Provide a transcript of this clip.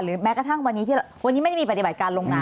แม้กระทั่งวันนี้ที่วันนี้ไม่ได้มีปฏิบัติการลงนา